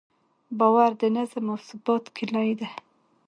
باور د نظم او ثبات کیلي ده.